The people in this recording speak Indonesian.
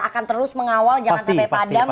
akan terus mengawal jangan sampai padam